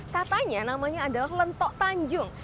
katanya namanya adalah lentok tanjung